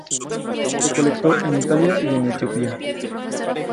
Recolectó en Italia y en Etiopía.